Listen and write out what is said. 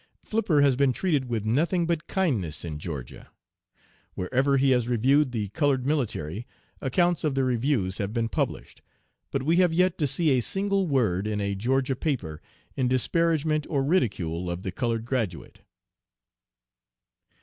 Flipper has been treated with nothing but kindness in Georgia. Wherever he has reviewed the colored military, accounts of the reviews have been published, but we have yet to see a single word in a Georgia paper in disparagement or ridicule of the colored graduate."